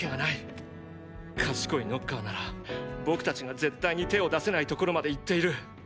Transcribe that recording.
賢いノッカーなら僕たちが絶対に手を出せない所まで行っている。